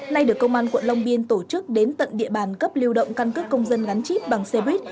nay được công an quận long biên tổ chức đến tận địa bàn cấp lưu động căn cước công dân gắn chip bằng xe buýt